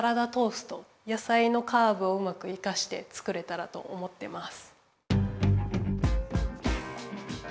野さいのカーブをうまく生かして作れたらと思ってます。